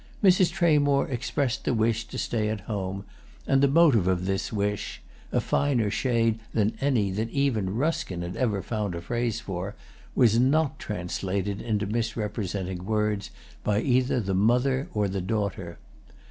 Mrs. Tramore expressed the wish to stay at home, and the motive of this wish—a finer shade than any that even Ruskin had ever found a phrase for—was not translated into misrepresenting words by either the mother or the daughter.